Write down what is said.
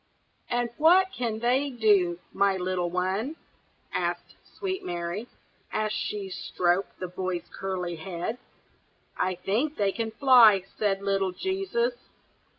"And what can they do, my little one?" asked sweet Mary, as she stroked the boy's curly head. "I think they can fly!" said little Jesus.